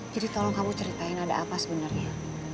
jadi tolong kamu ceritain ada apa sebenarnya